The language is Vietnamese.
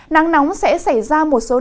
nắng nóng sẽ xảy ra một số nơi